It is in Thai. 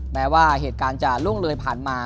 แม้ว่าเหตุการณ์จะล่วงเลยผ่านมา